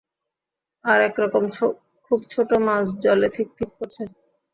আর এক রকম খুব ছোট মাছ জলে থিক থিক করছে।